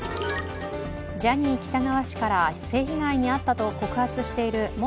ジャニー喜多川氏から性被害に遭ったと告発している元